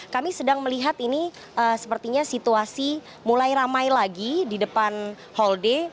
kami sedang melihat ini sepertinya situasi mulai ramai lagi di depan hall d